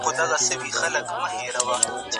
نظري ټولنپوهنه د حقایقو په لټه کې ده.